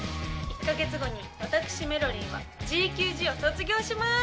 １か月後に私メロりんはＧＱＧを卒業します。